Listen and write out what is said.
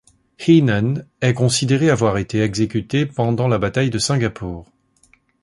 Heenan est considéré avoir été exécuté pendant la bataille de Singapour.